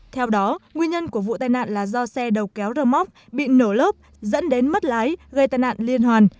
theo đó nguyên nhân của vụ tai nạn là do xe đầu kéo rơ móc bị nổ lốp dẫn đến mất lái gây tai nạn liên hoàn